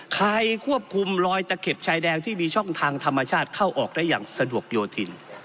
ใครควบคุมลอยตะเข็บชายแดงที่มีช่องทางธรรมชาติเข้าออกได้อย่างสะดวกโยธิน